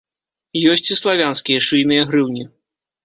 Ёсць і славянскія шыйныя грыўні.